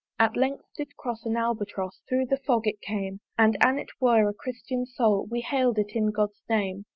At length did cross an Albatross, Thorough the Fog it came; And an it were a Christian Soul, We hail'd it in God's name.